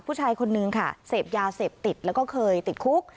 ผู้ชายคนนึงเสพยาเสพติดและก็แอบเคยติดคุก